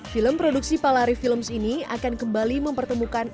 film produksi palari films ini akan kembali mempertemukan